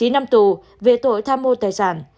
chín năm tù về tội tham ô tài sản